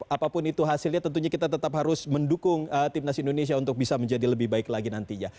apapun itu hasilnya tentunya kita tetap harus mendukung timnas indonesia untuk bisa menjadi lebih baik lagi nantinya